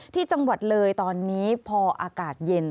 ที่จังหวัดเลยตอนนี้พออากาศเย็น